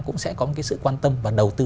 cũng sẽ có một cái sự quan tâm và đầu tư